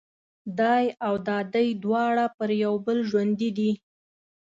دای او دادۍ دواړه پر یو بل ژوندي دي.